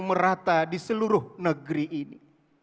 merata di seluruh negeri ini